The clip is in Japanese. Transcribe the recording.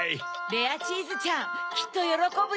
レアチーズちゃんきっとよろこぶね！